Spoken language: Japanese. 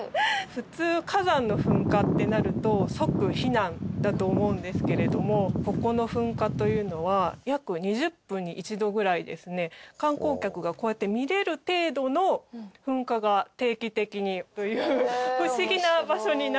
普通火山の噴火ってなると即避難だと思うんですけれどもここの噴火というのは約２０分に一度ぐらいですね観光客がこうやって見れる程度の噴火が定期的にという不思議な場所になってるんですね。